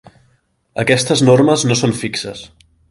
Aquestes normes no són fixes.